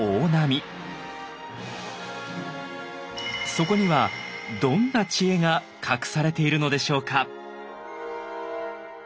そこにはどんな知恵が隠されているのでしょうか？